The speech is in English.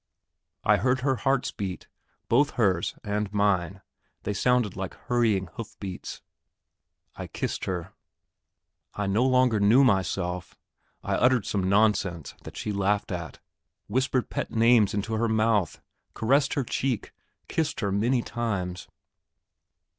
I heard her heart's beat, both hers and mine; they sounded like hurrying hoofbeats. I kissed her. I no longer knew myself. I uttered some nonsense, that she laughed at, whispered pet names into her mouth, caressed her cheek, kissed her many times....